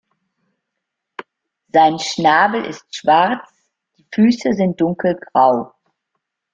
Sein Schnabel ist schwarz, die Füße sind dunkelgrau.